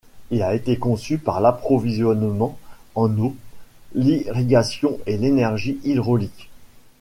Il a été conçu pour l’approvisionnement en eau, l’irrigation et l’énergie hydraulique.